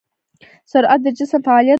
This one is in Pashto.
سرعت د جسم فعالیت بیانوي.